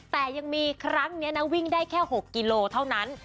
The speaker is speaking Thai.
แต่ยังมีครั้งนี้นะวิ่งได้แค่๖กิโลเท่านั้น